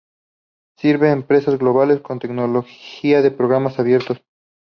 Sirve a empresas globales con tecnología de programas abiertos.